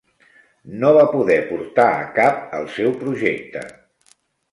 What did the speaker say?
No va poder portar a cap el seu projecte.